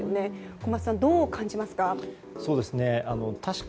小松さん、どう感じますか？